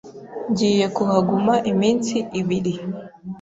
Ngiye kuhaguma iminsi ibiri